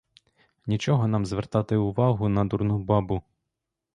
Нічого нам звертати увагу на дурну бабу!